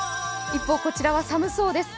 一方、こちらは寒そうです。